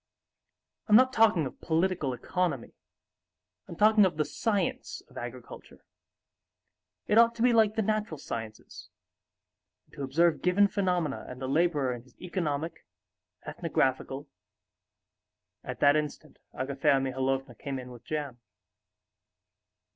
I'm not talking of political economy, I'm talking of the science of agriculture. It ought to be like the natural sciences, and to observe given phenomena and the laborer in his economic, ethnographical...." At that instant Agafea Mihalovna came in with jam.